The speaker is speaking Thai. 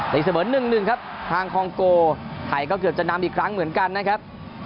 ใส่เสวนนึงครับทางคองโกของไทยก็เกิดจะนำอีกครั้งเหมือนกันนะครับ